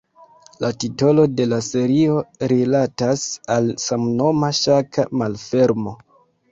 La titolo de la serio rilatas al samnoma ŝaka malfermo.